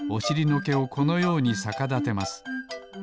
のけをこのようにさかだてます。